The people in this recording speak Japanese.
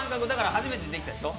初めてできたでしょ？